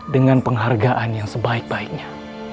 dengan penghargaan yang sebaik baiknya